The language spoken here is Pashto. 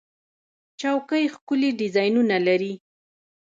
چوکۍ ښکلي ډیزاینونه لري.